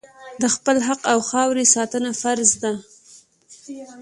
د خپل حق او خاورې ساتنه فرض ده.